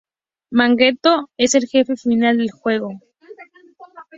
Magneto es el Jefe final del juego.